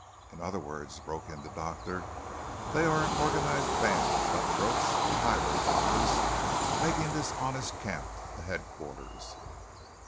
"In other words," broke in the doctor, "they are an organized band of cut throats and highway robbers making this honest camp a headquarters."